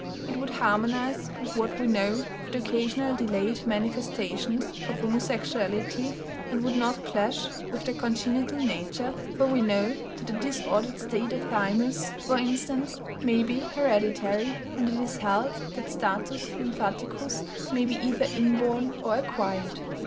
It would harmonize with what we know of the occasional delayed manifestations of homosexuality, and would not clash with their congenital nature, for we know that a disordered state of the thymus, for instance, may be hereditary, and it is held that status lymphaticus may be either inborn or acquired.